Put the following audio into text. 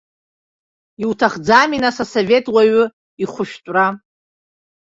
Иуҭахӡами нас асовет уаҩы ихәышәтәра?